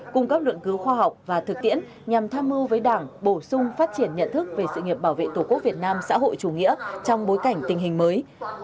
cung cấp luận cứu khoa học và thực tiễn nhằm tham mưu với đảng bổ sung phát triển nhận thức về sự nghiệp bảo vệ tổ quốc việt nam xã hội chủ nghĩa trong bối cảnh tình hình mới